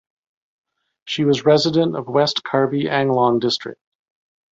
She was resident of West Karbi Anglong district.